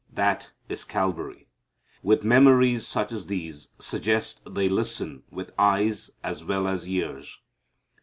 That is Calvary. With memories such as these suggest they listen with eyes as well as ears.